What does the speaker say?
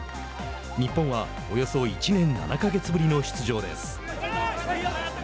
日本は、およそ１年７か月ぶりの出場です。